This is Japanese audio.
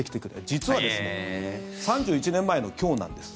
実は３１年前の今日なんです。